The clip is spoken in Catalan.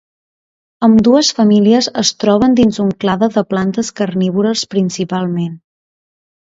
Ambdues famílies es troben dins un clade de plantes carnívores principalment.